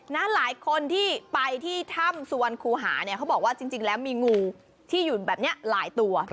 หลายคนที่ไปที่ถ้ำสุวรรคูหาเนี่ยเขาบอกว่าจริงแล้วมีงูที่อยู่แบบนี้หลายตัว